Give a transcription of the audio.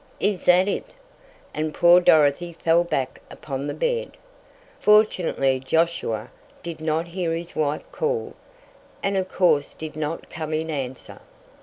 Is that it?" and poor Dorothy fell back upon the bed. Fortunately Josiah did not hear his wife call, and of course did not come in answer.